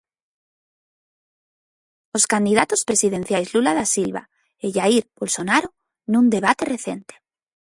Os candidatos presidenciais Lula da Silva e Jair Bolsonaro, nun debate recente.